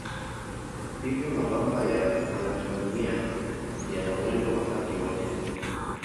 Hivyo mabamba ya gandunia yana mwendo wakati wote.